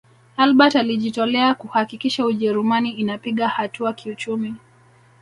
albert alijitolea kuhakikisha ujerumani inapiga hatua kiuchumi